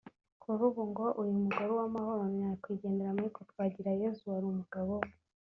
Kuri ubu ngo uyu mugore Uwamahoro na nyakwigendera Michel Twagirayezu wari umugabo we